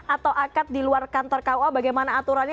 atau akad di luar kantor kua bagaimana aturannya